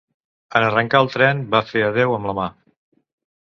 En arrencar el tren van fer adeu amb la mà.